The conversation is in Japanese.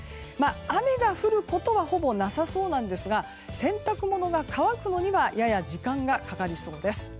雨が降ることはほぼなさそうなんですが洗濯物が乾くのにはやや時間がかかりそうです。